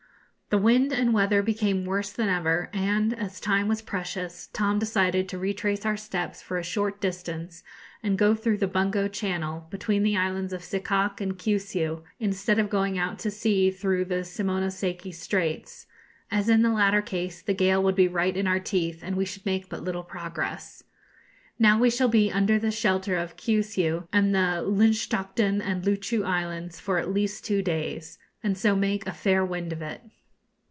The wind and weather became worse than ever, and, as time was precious, Tom decided to retrace our steps for a short distance and go through the Bungo Channel, between the islands of Sikok and Kiusiu, instead of going out to sea through the Simono seki Straits, as, in the latter case, the gale would be right in our teeth, and we should make but little progress. Now we shall be under the shelter of Kiusiu and the Linschoten and Luchu islands for at least two days, and so make a fair wind of it.